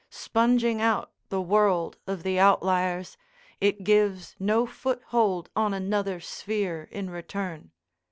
Sponging out the world of the outliers, it gives no foothold on another sphere in return.